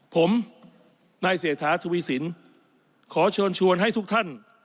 ผมนายเศรษฐาทวีสินขอเชิญชวนให้ทุกท่าน